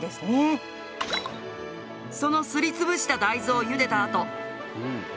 そのすり潰した大豆をゆでたあと。